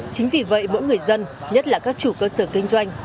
chính vì vậy mỗi người dân nhất là các chủ cơ sở kinh doanh